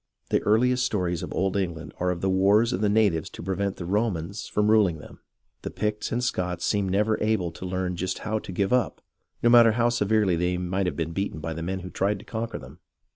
The earliest stories of old England are of the wars of the natives to prevent the Romans from ruling them. The Picts and Scots seemed never able to learn just how to give up, no matter how severely they might be beaten by 2 HISTORY OF THE AMERICAN REVOLUTION the men who tried to conquer them.